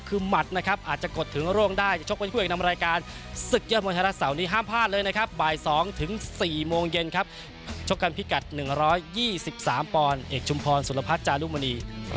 โปรดติดตามตอนต่อไป